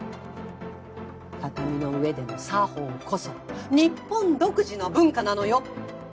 畳の上での作法こそ日本独自の文化なのよ。